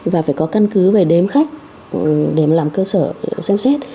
và phải có căn cứ về đếm khách để làm cơ sở xem xét